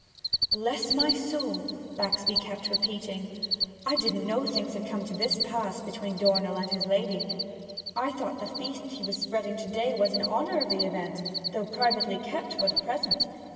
'Bless my soul,' Baxby kept repeating, 'I didn't know things had come to this pass between Dornell and his lady! I thought the feast he was spreading to day was in honour of the event, though privately kept for the present!